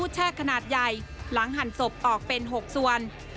แช่ขนาดใหญ่หลังหั่นศพออกเป็น๖ส่วน